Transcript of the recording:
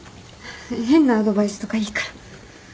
変なアドバイスとかいいから。